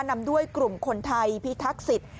นำด้วยกลุ่มคนไทยพิทักษิต